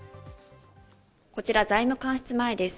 こちら財務官室前です。